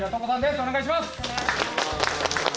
お願いします！